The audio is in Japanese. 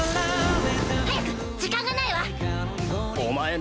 早く、時間がないわ。